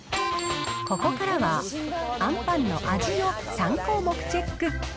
ここからはあんパンの味を３項目チェック。